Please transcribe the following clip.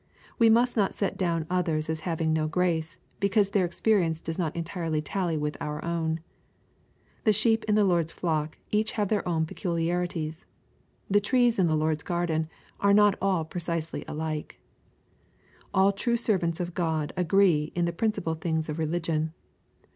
We must not set down others as having no grace, because their experience does not entirely tally with our own. The sheep in the Lord's flock have each their own peculiarities. The trees in the Lord's garden are not all precisely alike. All true servants of God agree in the principal things of religion.